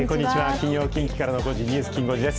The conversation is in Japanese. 金曜、近畿からの５時、ニュースきん５時です。